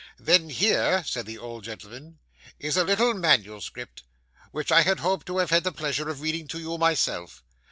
'Then here,' said the old gentleman, 'is a little manuscript, which I had hoped to have the pleasure of reading to you myself.